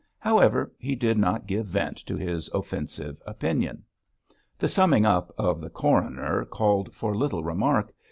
However, he did not give vent to this offensive opinion. The summing up of the coroner called for little remark.